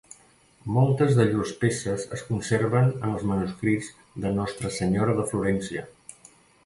Moltes de llurs peces es conserven en els manuscrits de Nostra Senyora de Florència.